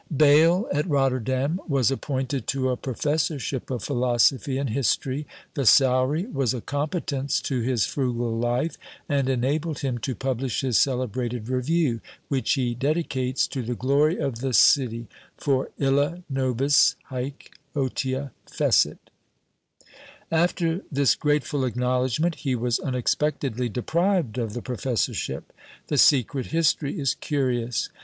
Bayle, at Rotterdam, was appointed to a professorship of philosophy and history; the salary was a competence to his frugal life, and enabled him to publish his celebrated Review, which he dedicates "to the glory of the city," for illa nobis hÃḊc otia fecit. After this grateful acknowledgment, he was unexpectedly deprived of the professorship. The secret history is curious.